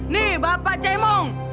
nih bapak cemong